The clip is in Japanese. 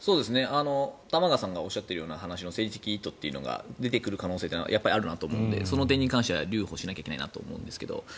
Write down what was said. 玉川さんがおっしゃっているような話の政治的意図というのが出てくる可能性はあるなと思うのでその点に関しては留保しなきゃいけないなと思うんですけど。